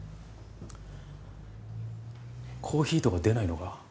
コーヒーとか出ないのか？